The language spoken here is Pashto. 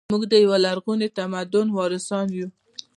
موږ د یو لرغوني تمدن وارثان یو